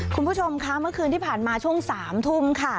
คุณผู้ชมคะเมื่อคืนที่ผ่านมาช่วง๓ทุ่มค่ะ